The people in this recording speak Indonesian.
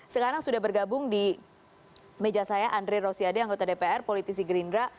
sekarang sudah bergabung di meja saya andri rosiade anggota dpr politisi gerindra